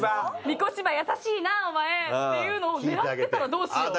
「御子柴優しいなお前！」っていうのを狙ってたらどうしよう。